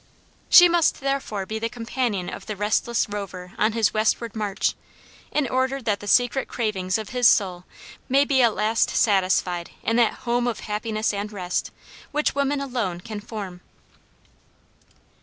She must therefore be the companion of the restless rover on his westward march, in order that the secret cravings of his soul may be at last satisfied in that home of happiness and rest, which woman alone can form.